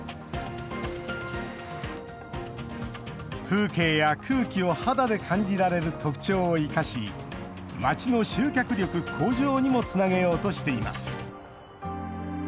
風景や空気を肌で感じられる特徴を生かし街の集客力向上にもつなげようとしています。